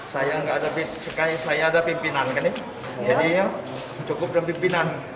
saya ada pimpinan jadi cukup dengan pimpinan